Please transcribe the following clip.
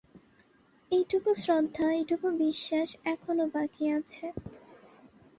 এইটুকু শ্রদ্ধা, এইটুকু বিশ্বাস, এখনো বাকি আছে!